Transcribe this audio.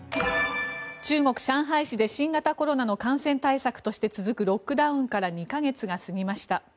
中国・上海市で新型コロナの感染対策として続くロックダウンから２か月が過ぎました。